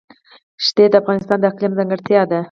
ښتې د افغانستان د اقلیم ځانګړتیا ده.